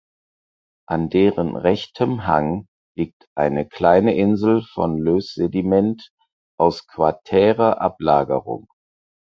An deren rechtem Hang liegt eine kleine Insel von Lösssediment aus quartärer Ablagerung.